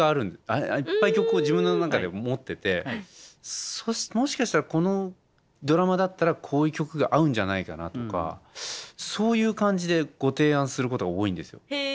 いっぱい曲を自分の中で持っててもしかしたらこのドラマだったらこういう曲が合うんじゃないかなとかそういう感じでご提案することが多いんですよ。